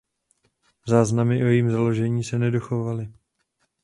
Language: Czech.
Záznamy o jejím založení se nedochovaly.